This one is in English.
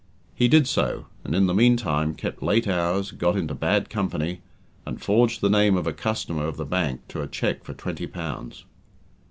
He did so, and in the meantime kept late hours, got into bad company, and forged the name of a customer of the bank to a cheque for twenty pounds.